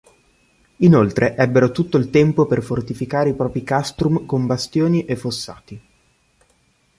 Inoltre ebbero tutto il tempo per fortificare i propri castrum con bastioni e fossati.